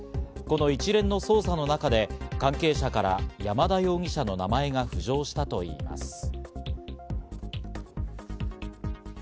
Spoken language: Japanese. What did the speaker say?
この一連の捜査の中で関係者から山田容疑者の名前が浮上したといいます。